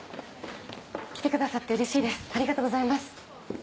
来てくださってうれしいですありがとうございます。